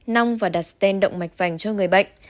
nong và đặt sten động mạch vành cho người bệnh